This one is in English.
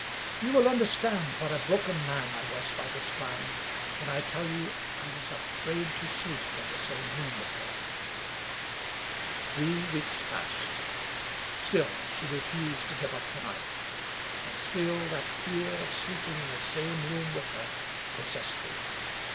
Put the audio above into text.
You will understand what a broken man I was by this time, when I tell you I was afraid to sleep in the same room with her ! Three weeks passed. Still she refused to give up the knife ; and still that fear of sleeping in the same room with her possessed me.